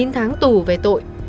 một mươi chín tháng tù về tội